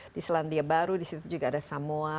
di selandia baru disitu juga ada samoa